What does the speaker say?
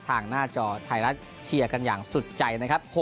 หน้าจอไทยรัฐเชียร์กันอย่างสุดใจนะครับ